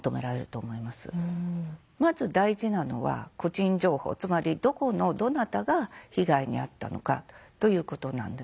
まず大事なのは個人情報つまりどこのどなたが被害に遭ったのかということなんですよね。